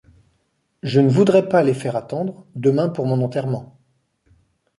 Je ne voudrais pas les faire attendre, demain, pour mon enterrement.